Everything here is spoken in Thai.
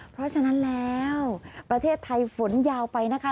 เพราะฉะนั้นแล้วประเทศไทยฝนยาวไปนะคะ